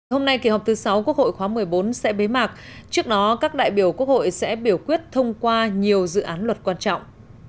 hôm nay kỳ họp thứ sáu quốc hội khóa một mươi bốn sẽ bế mạc trước đó các đại biểu quốc hội sẽ biểu quyết thông qua nhiều dự án luật quan trọng